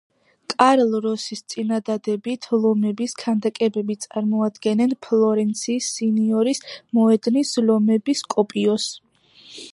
კარლ როსის წინადადებით ლომების ქანდაკებები წარმოადგენენ ფლორენციის სინიორის მოედნის ლომების კოპიოს.